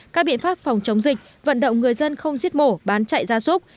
các biện pháp phòng chống dịch vận động người dân không giết mổ bán chạy ra súc